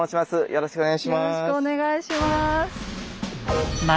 よろしくお願いします。